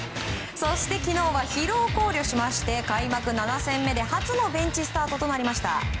そして昨日は疲労を考慮しまして開幕７戦目で初のベンチスタートとなりました。